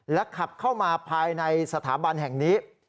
ขับเข้ามาภายในสถาบันแห่งนี้